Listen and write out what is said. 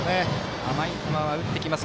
甘い球は打ってきます